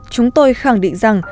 chúng tôi khẳng định rằng